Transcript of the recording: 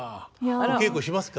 お稽古しますか？